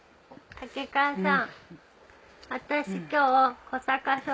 竹川さん。